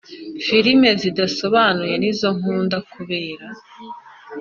filimi zidasobanuye nizo nkunda kureba